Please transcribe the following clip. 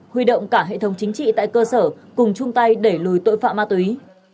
huy động cả hệ thống chính trị tại cơ sở cùng chung tay đẩy lùi tội phạm ma túy